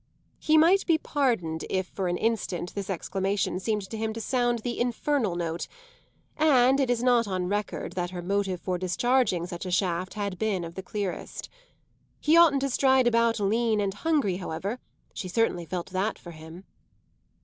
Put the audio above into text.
He might be pardoned if for an instant this exclamation seemed to him to sound the infernal note, and it is not on record that her motive for discharging such a shaft had been of the clearest. He oughtn't to stride about lean and hungry, however she certainly felt that for him.